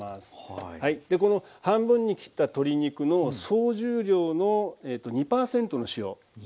この半分に切った鶏肉の総重量の２％の塩。